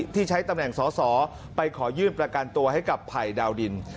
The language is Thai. ที่ใช้ตำแหน่งสอสอไปขอยื่นประกันตัวให้กับภัยดาวดิน